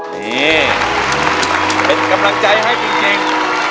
นี่เป็นกำลังใจให้จริง